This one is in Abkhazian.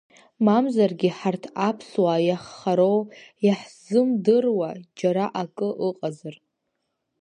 Мамзаргьы ҳарҭ аԥсуаа иаҳхароу, иаҳзымдыруа џьара акы ыҟазар?